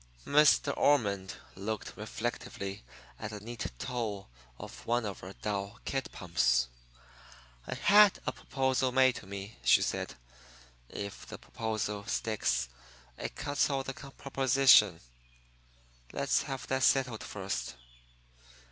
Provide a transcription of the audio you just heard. Miss De Ormond looked reflectively at the neat toe of one of her dull kid pumps. "I had a proposal made to me," she said. "If the proposal sticks it cuts out the proposition. Let's have that settled first."